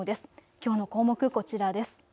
きょうの項目、こちらです。